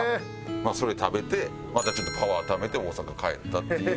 まあそれ食べてまたちょっとパワーためて大阪帰ったっていう。